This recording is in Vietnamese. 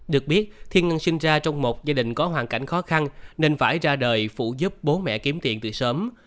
được biết thiên ngân sinh ra trong một gia đình có hoàn cảnh khó khăn nên phải ra đời phụ giúp bố mẹ kiếm tiền từ sớm